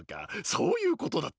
そういうことだったか！